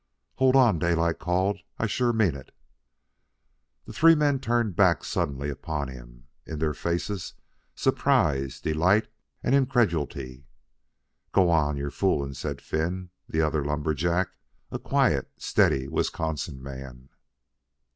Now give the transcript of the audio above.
"Hold on," Daylight called. "I sure mean it." The three men turned back suddenly upon him, in their faces surprise, delight, and incredulity. "G'wan, you're foolin'," said Finn, the other lumberjack, a quiet, steady, Wisconsin man.